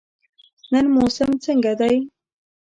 نن موسم څنګه دی؟